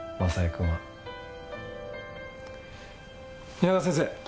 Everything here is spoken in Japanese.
皆川先生